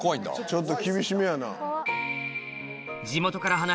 ちょっと厳しめやな。